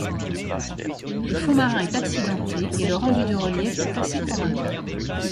Le fond marin est accidenté et le rendu du relief est assez convaincant.